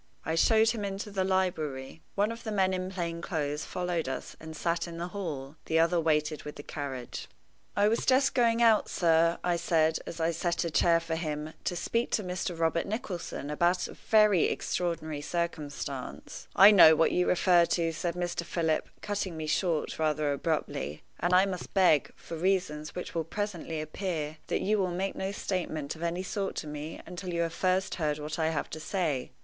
I showed him into the library. One of the men in plain clothes followed us, and sat in the hall. The other waited with the carriage. "I was just going out, sir," I said, as I set a chair for him, "to speak to Mr. Robert Nicholson about a very extraordinary circumstance " "I know what you refer to," said Mr. Philip, cutting me short rather abruptly; "and I must beg, for reasons which will presently appear, that you will make no statement of any sort to me until you have first heard what I have to say.